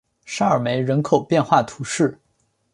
沙尔梅人口变化图示